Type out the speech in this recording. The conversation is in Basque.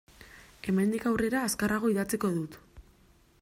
Hemendik aurrera azkarrago idatziko dut.